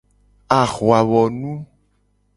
Ahuawonu.